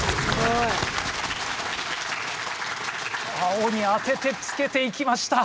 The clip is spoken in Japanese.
青にあててつけていきました。